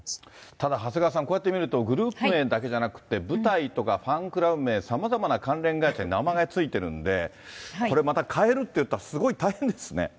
ただ、長谷川さん、こうやって見ると、グループ名だけじゃなくて、舞台とかファンクラブ名、さまざまな関連会社に名前が付いてるんで、これまた変えるっていったら、すごい大変ですね。